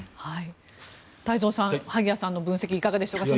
太蔵さん萩谷さんの分析はいかがでしょうか。